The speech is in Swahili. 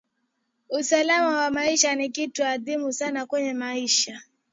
usalama wa maisha ni kitu adimu sana kwenye maisha